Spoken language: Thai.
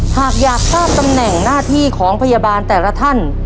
หากอยากทราบตำแหน่งหน้าที่ของพยาบาลแต่ละท่าน